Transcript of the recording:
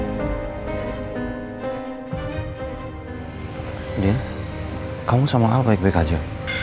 andin kamu sama al baik baik aja